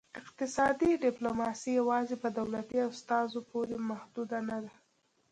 اقتصادي ډیپلوماسي یوازې په دولتي استازو پورې محدوده نه ده